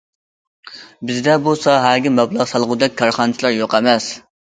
بىزدە بۇ ساھەگە مەبلەغ سالغۇدەك كارخانىچىلار يوق ئەمەس.